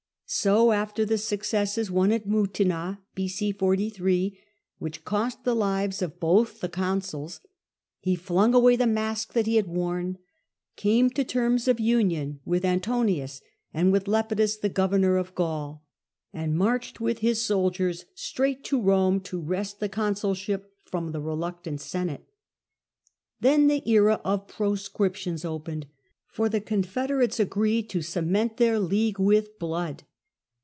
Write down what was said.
So, after the successes won at Mutina, which cost the lives of both the consuls, he flung away the mask that he had worn, came to terms of union with Antonius and with Lepidus, the governor of Gaul, and marched with his soldiers straight to Rome to wrest the consulship from the reluctant Senate. Then the era of Proscriptions opened, for the confederates agreed to cement their league with blood.